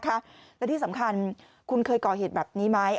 และที่สำคัญคุณเคยก่อเหตุแบบนี้ไหม